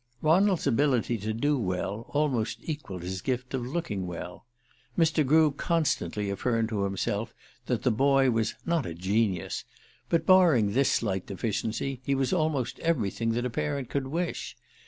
Ronald's ability to do well almost equalled his gift of looking well. Mr. Grew constantly affirmed to himself that the boy was "not a genius"; but, barring this slight deficiency, he was almost everything that a parent could wish.